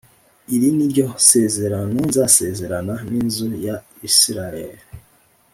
Iri ni ryo sezerano nzasezerana n inzu ya isirayeli